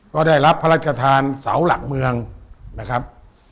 ก็ได้รับพระราชทานเสาหลักเมืองนะครับ